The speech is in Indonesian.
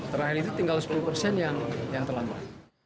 terakhir itu tinggal sepuluh persen yang terlambat